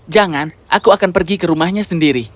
jangan aku akan pergi ke rumahnya sendiri